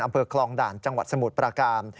อำเภอคลองด่านจังหวัดสมุทรประการ